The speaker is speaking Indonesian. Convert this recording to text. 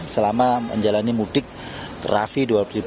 selama menjalani mudik rafi dua ribu dua puluh